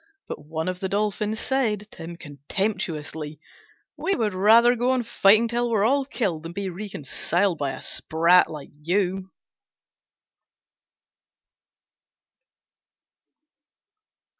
But one of the Dolphins said to him contemptuously, "We would rather go on fighting till we're all killed than be reconciled by a Sprat like you!"